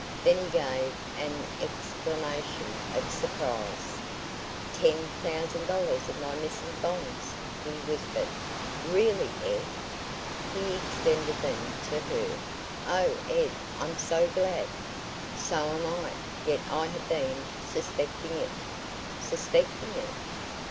Then he gave an exclamation of surprise. "Ten thousand dollars of my missing bonds!" he whispered. "Really, Ed?" He extended them to her. "Oh, Ed! I'm so glad!" "So am I, yet I have been suspecting it." "Suspecting it?"